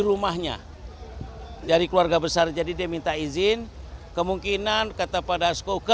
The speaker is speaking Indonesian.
rumahnya dari keluarga besar jadi dia minta izin kemungkinan kata pada skoke